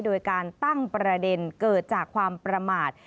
โดยการตั้งประเด็นเกิดจากความประมาท